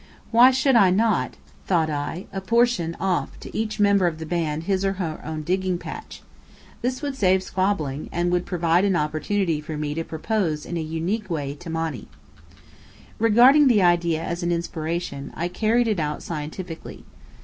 Why should I not (thought I) apportion off to each member of the band his or her own digging patch? This would save squabbling, and would provide an opportunity for me to propose in a unique way to Monny. Regarding the idea as an inspiration, I carried it out scientifically.